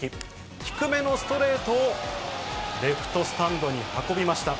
低めのストレートを、レフトスタンドに運びました。